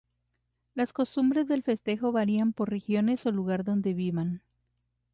Las costumbres del festejo varían por regiones o lugar donde vivan.